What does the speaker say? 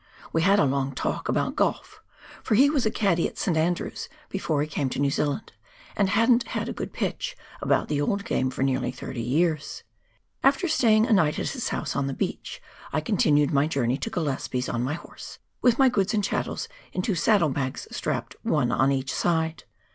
We had a long talk about golf, for he was a caddie at St. Andrew's before he came to New Zealand, and " hadn't had a good * pitch ' about the old game for nearly thirty years." After staying a night at his house on the beach, I continued my journey to Gillespies on my horse, with my goods and chatties in two saddle bags strapped one on each side.